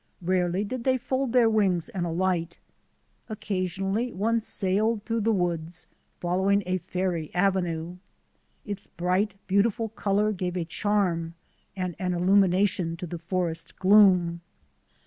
Rarely did they fold their wings and alight. Occasionally one sailed through the woods, following a fairy avenue. Its bright, beautiful colour gave a charm WAITING IN THE WILDERNESS 41 and an illumination to the forest gloom.